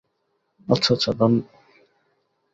আচ্ছা, আচ্ছা।